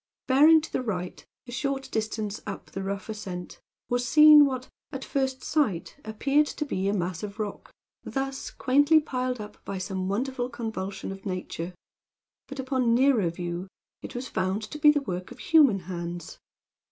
Bearing to the right, a short distance up the rough ascent, was seen what, at first sight, appeared to be a mass of rock, thus quaintly piled up by some wonderful convulsion of nature; but, upon nearer view, it was found to be the work of human hands.